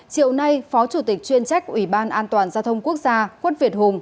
chiều nay phó chủ tịch chuyên trách ủy ban an toàn giao thông quốc gia quất việt hùng